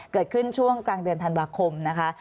เกิดขึ้นช่วงกลางเดือนธันวาคมนะคะ